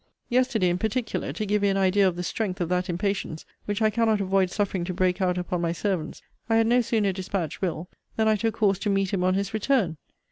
Yesterday, in particular, to give you an idea of the strength of that impatience, which I cannot avoid suffering to break out upon my servants, I had no sooner dispatched Will., than I took horse to meet him on his return.